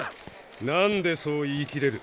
なんでそう言い切れる？